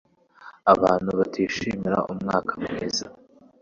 abantu batishimira. Umwuka mwiza